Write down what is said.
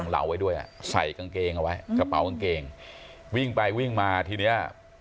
แล้วไว้ด้วยใส่กางเกงเอาไว้กระเปาเกงวิ่งไปวิ่งมาทีเนี้ย